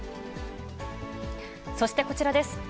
そしてこちらです。